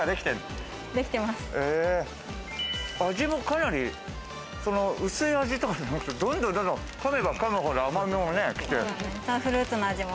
味もかなり、薄い味とかじゃなく、どんどんかめばかむほど甘みも来て。